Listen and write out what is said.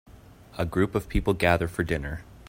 A group of people gather for dinner.